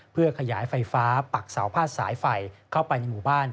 เพื่อขยายไฟฟ้าปักเสาพาดสายไฟเข้าไปในหมู่บ้าน